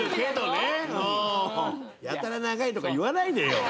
やたら長いとか言わないでよ。